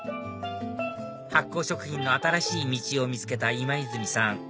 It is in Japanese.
発酵食品の新しい道を見つけた今泉さん